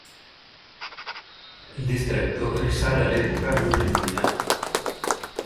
Il distretto risale all'epoca guglielmina.